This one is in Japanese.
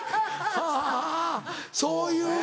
はぁそういう。